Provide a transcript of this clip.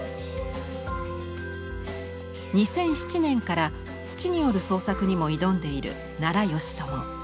２００７年から土による創作にも挑んでいる奈良美智。